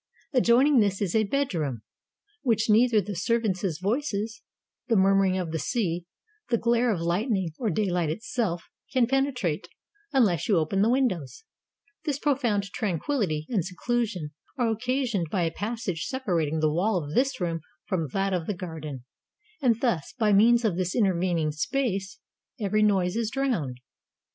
Adjoining this is a bedroom, 488 COUNTRY HOUSE OF PLINY THE YOUNGER which neither the servants' voices, the murmuring of the sea, the glare of Ughtning, or dayhght itself, can pene trate, unless you open the windows. This profound tran quillity and seclusion are occasioned by a passage sepa rating the wall of this room from that of the garden, and thus, by means of this intervening space, every noise is drowned.